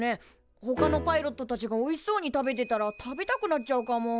ほかのパイロットたちがおいしそうに食べてたら食べたくなっちゃうかも。